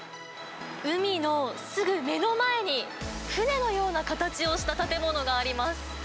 海のすぐ目の前に、船のような形をした建物があります。